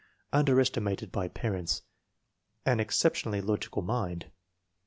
Underestimated by parents. An exceptionally logical mind.